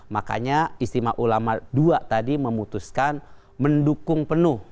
makanya istimewa ulama dua tadi memutuskan mendukung penuh